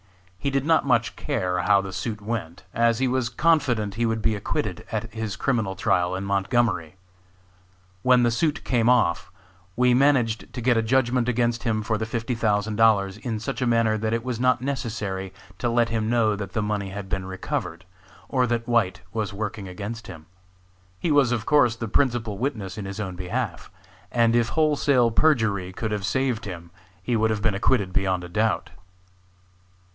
He did not much care how the suit went, as he was confident he would be acquitted at his criminal trial in Montgomery. When the suit came off, we managed to get a judgment against him for the fifty thousand dollars in such a manner that it was not necessary to let him know that the money had been recovered, or that White was working against him. He was of course the principal witness in his own behalf, and if wholesale perjury could have saved him he would have been acquitted beyond a doubt.